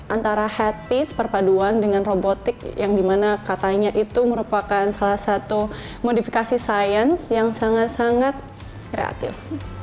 antara hat piece perpaduan dengan robotik yang dimana katanya itu merupakan salah satu modifikasi sains yang sangat sangat kreatif